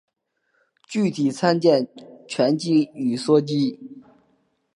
具体参见醛基与羧基。